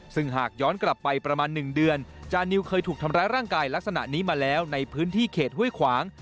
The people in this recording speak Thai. ซึ่งหากย้อนกลับไปประมาณ๑เดือนจานิวเคยถูกทำร้ายร่างกายลักษณะนี้มาแล้วในพื้นที่เขตห้วยขวาง